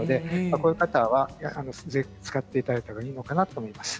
こういう方はぜひ使っていただければいいのかなと思います。